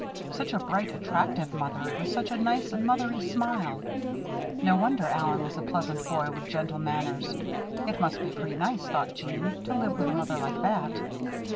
Such a bright, attractive mother, with such a nice, mother y smile. No wonder Allen was a pleasant boy with gentle manners. It must be pretty nice, thought Jeanne, to live with a mother like that.